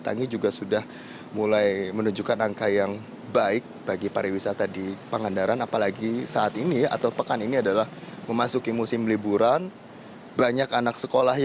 ini juga bisa dihindari seharusnya jika ada zonasi